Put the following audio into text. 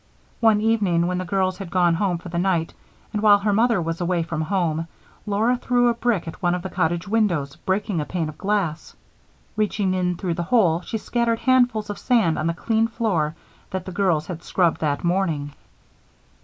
One evening, when the girls had gone home for the night and while her mother was away from home, Laura threw a brick at one of the cottage windows, breaking a pane of glass. Reaching in through the hole, she scattered handfuls of sand on the clean floor that the girls had scrubbed that morning.